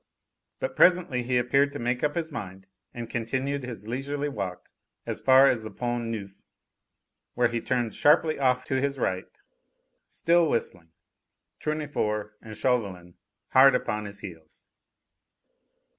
But presently he appeared to make up his mind, and continued his leisurely walk as far as the Pont Neuf, where he turned sharply off to his right, still whistling, Tournefort and Chauvelin hard upon his heels.